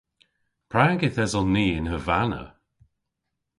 Prag yth eson ni yn Havana?